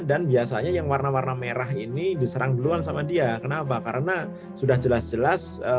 dan biasanya yang warna warna merah ini diserang duluan sama dia kenapa karena sudah jelas jelas